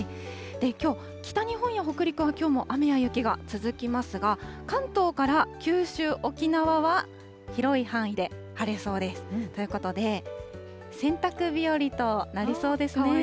きょう、北日本や北陸は、きょうも雨や雪が続きますが、関東から九州、沖縄は広い範囲で晴れそうです。ということで、洗濯日和となりそうですね。